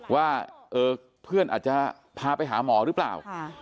ว่าเพื่อนอาจจะพาไปหาหมอหรือเปล่า